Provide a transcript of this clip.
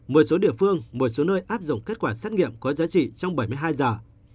một số địa phương một số nơi áp dụng kết quả xét nghiệm có giá trị trong bảy mươi hai giờ